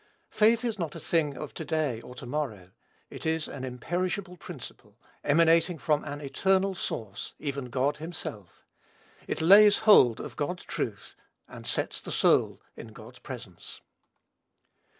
Faith is not a thing of to day or to morrow. It is an imperishable principle, emanating from an eternal source, even God himself: it lays hold of God's truth, and sets the soul in God's presence.